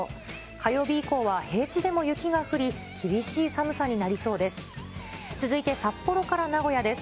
火曜日以降は平地でも雪が降り、厳しい寒さになりそうです。